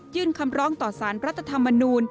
ยื่นคำลองต่อสารรัฐธรรมนูล